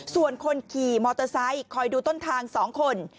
ส่วนคนขี่มอเตอร์ไซค์คอยดูต้นทาง๒คน